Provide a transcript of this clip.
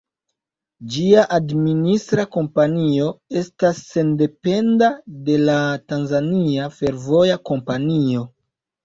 Ĝia administra kompanio estas sendependa de la Tanzania Fervoja Kompanio.